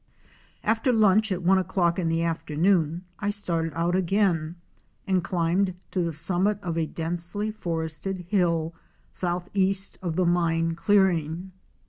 After lunch at one o'clock in the afternoon, I started out again and climbed to the summit of a densely forested hill, southeast of the mine clearing.